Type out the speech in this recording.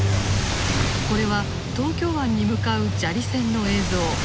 これは東京湾に向かう砂利船の映像。